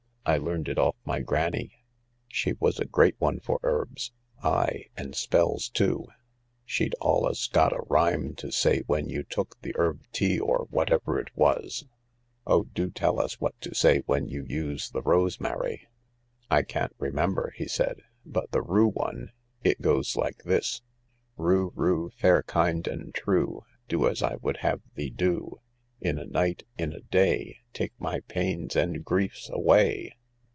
" I learned it off my granny. She was a great one for herbs. Ay, and spells too. She'd alius got a rhyme to say when you took the herb tea or what ever it was." " 0h > do teU us what to say when you use the rose mary." " 1 can>t remember," he said ;" but the rue one, it goes like this :' Rue, rue, fair, kind and true, Do as I would have thee do ; In a night, in a day, Take my pains and griefs away.'